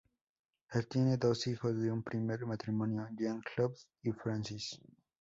Él tiene dos hijos de un primer matrimonio, Jean-Claude y Francis.